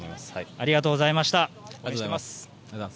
ありがとうございます。